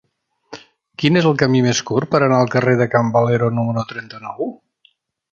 Quin és el camí més curt per anar al carrer de Can Valero número trenta-nou?